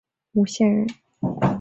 吴县人。